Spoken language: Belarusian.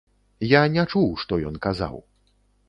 Я не чуў, што ён казаў.